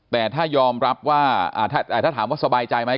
แต่ถ้ายอมรับว่าถ้าถามว่าสบายใจไหม